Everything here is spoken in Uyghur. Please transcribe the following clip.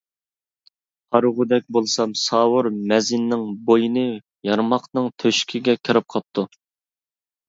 قارىغۇدەك بولسام ساۋۇر مەزىننىڭ بوينى يارماقنىڭ تۆشىكىگە كىرىپ قاپتۇ.